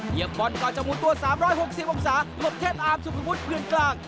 บอลก่อนจะหมุนตัว๓๖๐องศาหลบเทศอาร์มสุภวุฒิเพื่อนกลาง